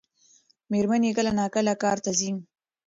مېرمن یې کله ناکله کار ته ځي.